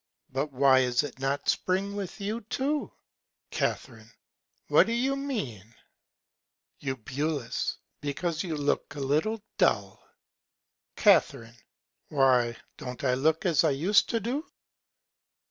But why is it not Spring with you too? Ca. What do you mean? Eu. Because you look a little dull. Ca. Why, don't I look as I use to do?